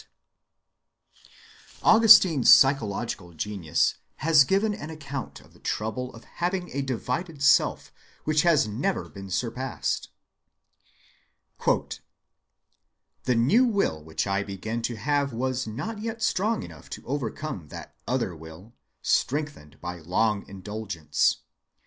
(91) Augustine's psychological genius has given an account of the trouble of having a divided self which has never been surpassed. "The new will which I began to have was not yet strong enough to overcome that other will, strengthened by long indulgence.